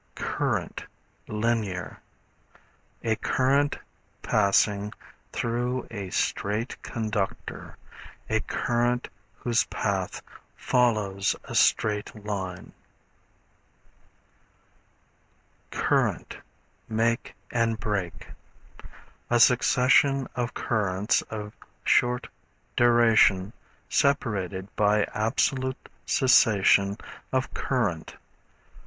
Current, Linear. A current passing through a straight conductor; a current whose path follows a straight line. 164 STANDARD ELECTRICAL DICTIONARY. Current, Make and Break. A succession of currents of short duration, separated by absolute cessation of current.